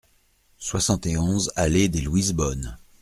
soixante et onze allée des Louises-Bonnes